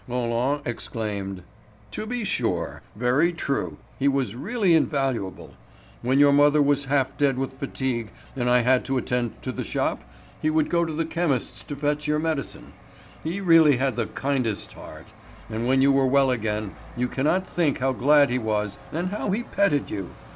Roland exclaimed: "To be sure—very true; he was really invaluable. When your mother was half dead with fatigue and I had to attend to the shop, he would go to the chemist's to fetch your medicine. He really had the kindest heart! And when you were well again, you cannot think how glad he was and how he petted you.